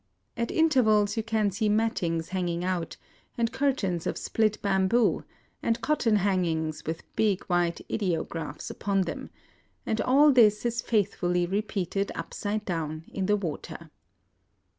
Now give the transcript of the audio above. At intervals you can see mattings hanging out, and curtains of split bamboo, and cotton hangings with big white ideographs upon them ; and all this is faithfully repeated upside down in the water.